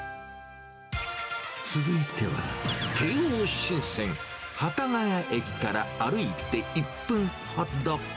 続いては、京王新線幡ヶ谷駅から歩いて１分ほど。